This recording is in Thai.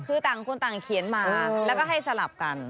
คือต่างคนต่างเขียนมาแล้วก็ให้สลับกัน